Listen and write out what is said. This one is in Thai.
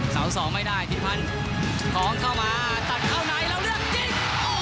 เสาสองไม่ได้พิพันธ์ของเข้ามาตัดเข้าในแล้วเลือกยิง